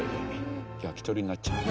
焼き鳥になっちゃう。